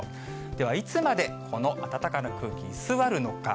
では、いつまでこの暖かな空気、居座るのか。